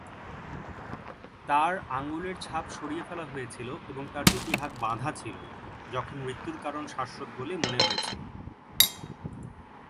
তার আঙুলের ছাপ সরিয়ে ফেলা হয়েছিল এবং তার দুটি হাত বাঁধা ছিল, যখন মৃত্যুর কারণ শ্বাসরোধ বলে মনে হয়েছিল।